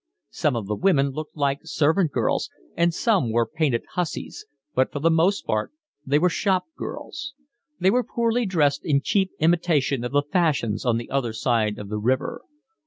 Some of the women looked like servant girls, and some were painted hussies, but for the most part they were shop girls. They were poorly dressed in cheap imitation of the fashions on the other side of the river.